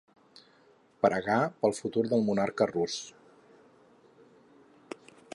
Pregar pel futur del monarca rus.